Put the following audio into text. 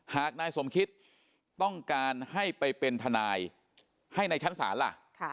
หากนายสมคิตต้องการให้ไปเป็นทนายให้ในชั้นศาลล่ะ